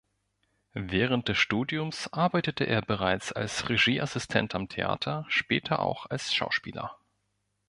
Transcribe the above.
Während des Studiums arbeitete er bereits als Regieassistent am Theater, später auch als Schauspieler.